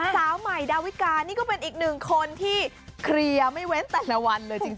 สาวใหม่ดาวิกานี่ก็เป็นอีกหนึ่งคนที่เคลียร์ไม่เว้นแต่ละวันเลยจริง